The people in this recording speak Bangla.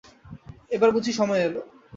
এবার বুঝি সময় এল।